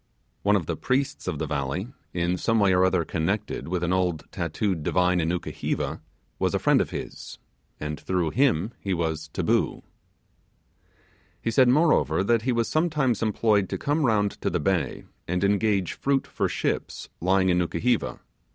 One of the priests of the valley, in some way or other connected with an old tattooed divine in Nukuheva, was a friend of his, and through him he was 'taboo'. He said, moreover, that he was sometimes employed to come round to the bay, and engage fruit for ships lying in Nukuheva.